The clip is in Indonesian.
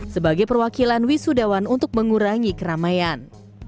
sebagai perwakilan wisudawan untuk mengurangi keramaian